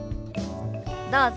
どうぞ。